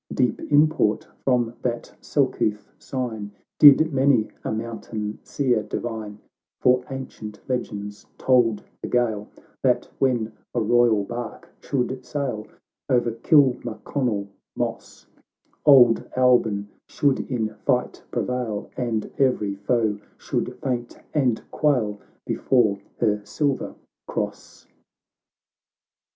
Deep import from that selcouth' sign, Did many a mountain Seer divine, For ancient legends told the Gael, That when a royal bark should sail O'er Kilmaconnel moss, Old Albyn should in fight prevail, And every foe should faint and quail Before her silver Cross.